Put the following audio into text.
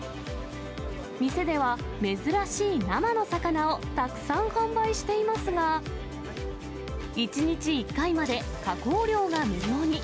店では珍しい生の魚をたくさん販売していますが、１日１回まで、加工料が無料に。